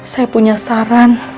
saya punya saran